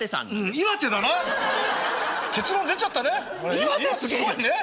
岩手すごいね。